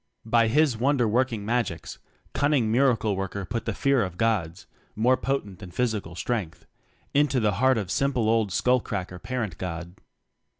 By his wonder working magics cun ning Miracle worker put the fear of gods (more potent than physical strength) into the heart of simple old skull cracker parent god.